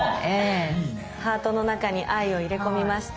ハートの中に「Ｉ」を入れ込みました。